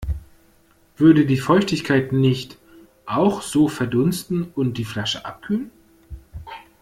Würde die Feuchtigkeit nicht auch so verdunsten und die Flasche abkühlen?